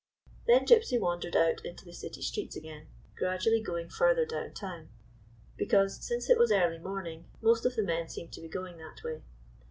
Then Gypsy wandered out into the city streets again, gradually going further downtown, because, since it was early morning, most of the men seemed to be going that way.